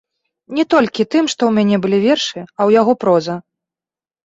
Не толькі тым, што ў мяне былі вершы, а ў яго проза.